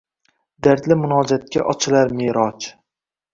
Dardli munojatga ochilar Me’roj.